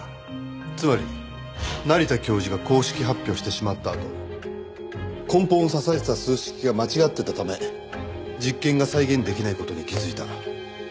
つまり成田教授が公式発表してしまったあと根本を支えてた数式が間違っていたため実験が再現出来ない事に気づいた。